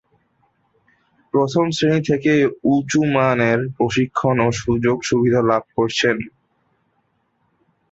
প্রথম শ্রেণী থেকেই উঁচুমানের প্রশিক্ষণ ও সুযোগ-সুবিধা লাভ করেছেন।